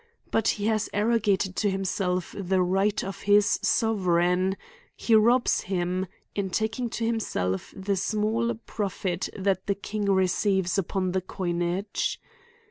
But he has arrogated to himself the right of his sovereign ; he robs him, in taking to him self the small profit that the king receives upon the coinage.